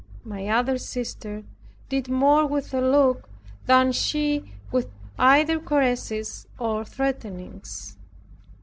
My other sister did more with a look, than she with either caresses or threatenings.